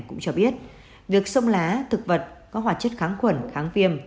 cũng cho biết việc sông lá thực vật có hoạt chất kháng khuẩn kháng viêm